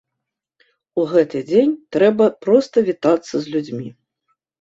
У гэты дзень трэба проста вітацца з людзьмі.